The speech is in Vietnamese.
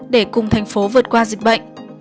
để cùng thành phố vượt qua dịch bệnh